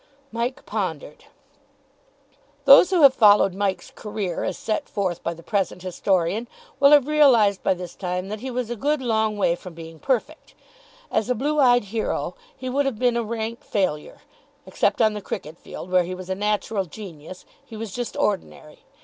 Mike pondered. Those who have followed Mike's career as set forth by the present historian will have realised by this time that he was a good long way from being perfect. As the Blue Eyed Hero he would have been a rank failure. Except on the cricket field, where he was a natural genius, he was just ordinary.